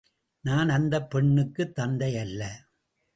நான் அந்தப் பெண்ணுக்குத் தந்தையல்ல.